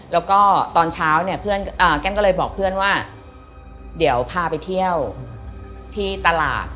แล้วก็ตอนเช้าเนี่ยเพื่อนแก้มก็เลยบอกเพื่อนว่าเดี๋ยวพาไปเที่ยวที่ตลาด